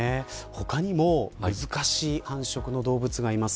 他にも難しい繁殖の動物がいます。